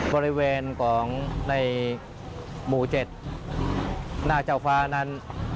บริเวณของในหมู่๗หน้าเจ้าฟ้านั้น